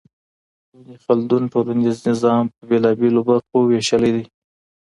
ابن خلدون ټولنيز نظام په بېلابېلو برخو وېشلی دی.